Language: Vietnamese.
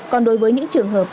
còn đối với những trường hợp